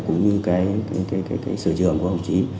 cũng như sơ trường của bố trí